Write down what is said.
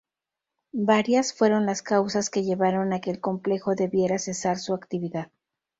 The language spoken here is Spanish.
Varias fueron las causas que llevaron a que el complejo debiera cesar su actividad.